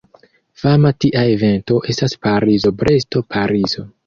Fama tia evento estas Parizo-Bresto-Parizo.